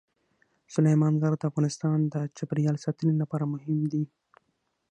سلیمان غر د افغانستان د چاپیریال ساتنې لپاره مهم دي.